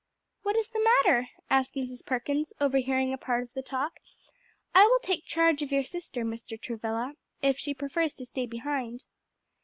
"What is the matter?" asked Mrs. Perkins, overhearing a part of the talk. "I will take charge of your sister, Mr. Travilla, if she prefers to stay behind."